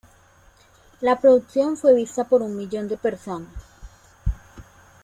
La producción fue vista por un millón de personas.